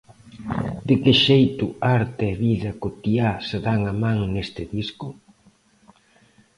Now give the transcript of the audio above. De que xeito arte e vida cotiá se dan a man neste disco?